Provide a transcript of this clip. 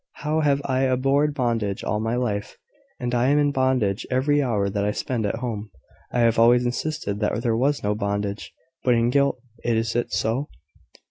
How have I abhorred bondage all my life! and I am in bondage every hour that I spend at home. I have always insisted that there was no bondage but in guilt. Is it so?